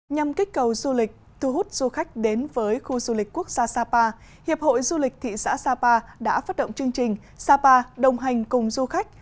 nhằm kích cầu du lịch thu hút du khách đến với khu du lịch quốc gia sapa hiệp hội du lịch thị xã sapa đã phát động chương trình sapa đồng hành cùng du khách